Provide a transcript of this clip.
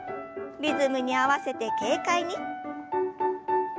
リズムに合わせて軽快に。